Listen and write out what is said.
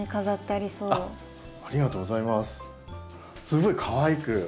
すごいかわいく。